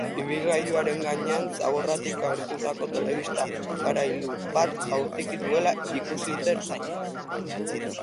Ibilgailuaren gainean zaborratik hartutako telebista aparailu bat jaurtiki dutela ikusi dute ertzainek.